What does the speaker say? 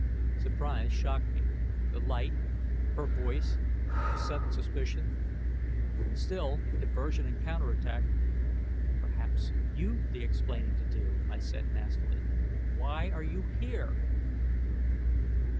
_ Surprise shocked me: the light, her voice, the sudden suspicion. Still, diversion and counterattack ... "Perhaps you've the explaining to do," I said nastily. "Why are you here?"